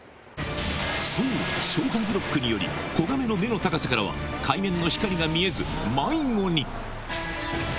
そう、消波ブロックにより、子ガメの目の高さからは、海面の光が見えず、迷子に。